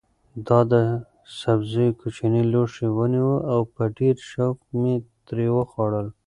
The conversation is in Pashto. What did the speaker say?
ما د سبزیو کوچنی لوښی ونیو او په ډېر شوق مې ترې وخوړل.